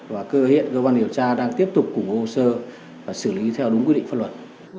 và cơ hiện cơ quan điều tra đang tiếp tục củng hồ sơ và xử lý theo đúng quyết định phân luận